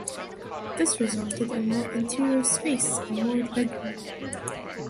This resulted in more interior space, and more legroom.